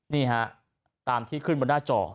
นี่ฮะตามที่ขึ้นบนหน้าจอ